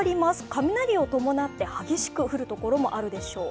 雷を伴って激しく降るところもあるでしょう。